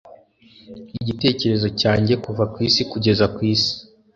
Igitekerezo cyanjye kuva kwisi kugeza ku isi